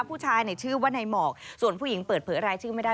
ผู้ชายชื่อว่าในหมอกส่วนผู้หญิงเปิดเผยรายชื่อไม่ได้